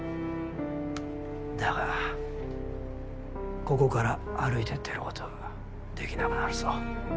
だがここから歩いて出ることは出来なくなるぞ。